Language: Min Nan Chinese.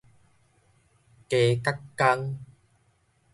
雞鵤公